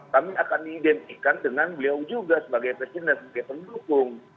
kami akan diidentikan dengan beliau juga sebagai presiden dan sebagai pendukung